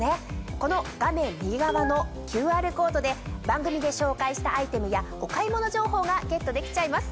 この画面右側のＱＲコードで番組で紹介したアイテムやお買い物情報がゲットできちゃいます。